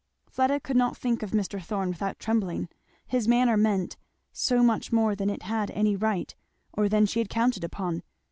Fleda could not think of Mr. Thorn without trembling. His manner meant so much more than it had any right, or than she had counted upon.